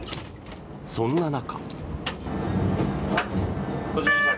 そんな中。